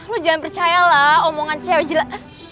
lo jangan percaya lah omongan cewe jila